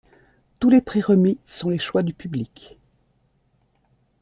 Tous les prix remis sont les choix du public.